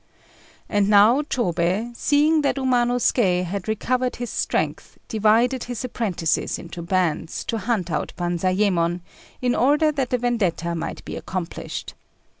And now Chôbei, seeing that Umanosuké had recovered his strength, divided his apprentices into bands, to hunt out Banzayémon, in order that the vendetta might be accomplished.